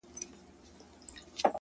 اوس د شپې سوي خوبونه زما بدن خوري؛